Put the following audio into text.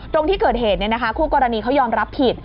ตรงที่เกิดเหตุคู่กรณีเขายอมรับผิด